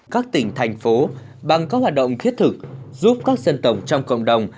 các tỉnh thành phố bằng các hoạt động thiết thực giúp các dân tộc trong cộng đồng